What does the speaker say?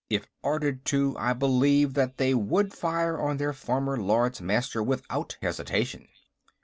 If ordered to, I believe that they would fire on their former Lords Master without hesitation."